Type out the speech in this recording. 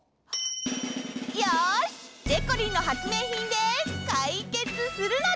よし！でこりんの発明品でかいけつするのだ！